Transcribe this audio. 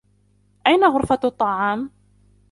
أين غرفة الطعام؟